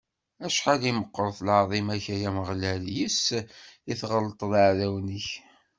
Acḥal meqqret lɛaḍima-k, ay Ameɣlal, yes-s i tɣeṭṭleḍ iɛdawen-ik.